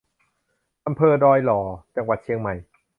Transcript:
อำเภอดอยหล่อ จังหวัดเชียงใหม่